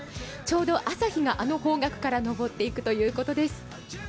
ちょうど朝日があの方角から昇っていくということです。